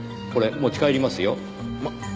これ持ち帰りますよ。